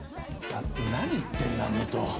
何言ってんだ武藤。